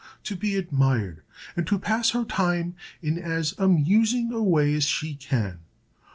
to be admired, and to pass her time in as amusing a way as she can?